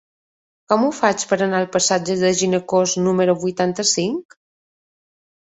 Com ho faig per anar al passatge de Ginecòs número vuitanta-cinc?